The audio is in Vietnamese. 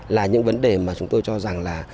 là những vấn đề mà chúng tôi cho rằng là